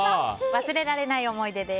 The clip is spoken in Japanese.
忘れられない思い出です。